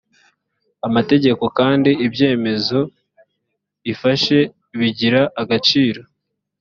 amategeko kandi ibyemezo ifashe bigire agaciro